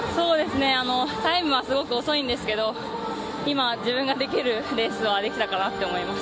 タイムはすごく遅いんですけど今、自分ができるレースはできたかなと思います。